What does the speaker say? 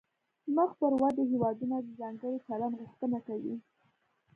مخ پر ودې هیوادونه د ځانګړي چلند غوښتنه کوي